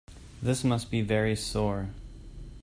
This must be very sore.